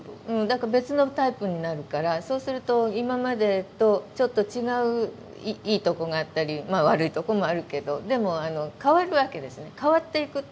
だから別のタイプになるからそうすると今までとちょっと違ういいとこがあったりまあ悪いとこもあるけどでもあの変わるわけですね。